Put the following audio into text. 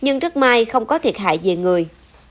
nhưng rất may không có thiệt hại về người